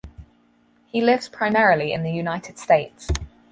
He lives primarily in the United States.